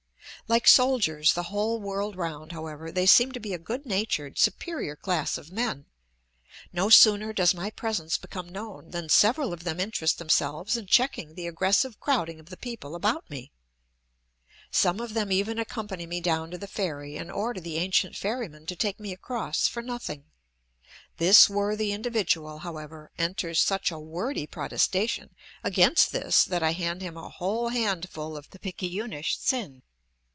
Like soldiers the whole world round, however, they seem to be a good natured, superior class of men; no sooner does my presence become known than several of them interest themselves in checking the aggressive crowding of the people about me. Some of them even accompany me down to the ferry and order the ancient ferryman to take me across for nothing. This worthy individual, however, enters such a wordy protestation against this that I hand him a whole handful of the picayunish tsin.